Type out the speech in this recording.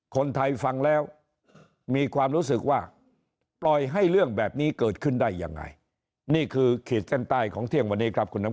คนไทยฟังแล้วมีความรู้สึกว่าปล่อยให้เรื่องแบบนี้เกิดขึ้นได้ยังไง